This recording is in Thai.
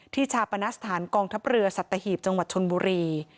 ชาปณสถานกองทัพเรือสัตหีบจังหวัดชนบุรี